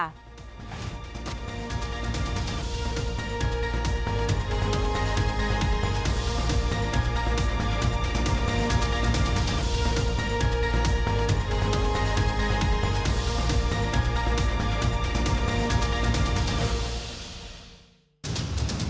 โปรดติดตามตอนต่อไป